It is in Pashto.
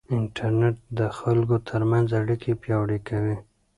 انټرنيټ د خلکو ترمنځ اړیکې پیاوړې کوي.